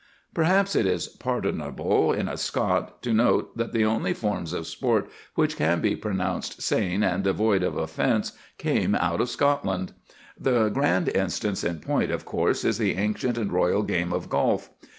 Perhaps it is pardonable in a Scot to note that the only forms of sport which can be pronounced sane and devoid of offence came out of Scotland. The grand instance in point, of course, is the ancient and royal game of golf.